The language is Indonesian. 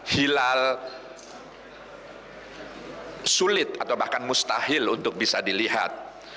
hilal sulit atau bahkan mustahil untuk bisa dilihat